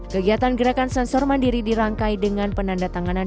kegiatan gerakan sensor mandiri dirangkai dengan penanda tanganan